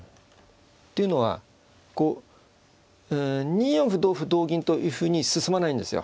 っていうのはこう２四歩同歩同銀というふうに進まないんですよ。